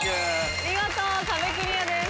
見事壁クリアです。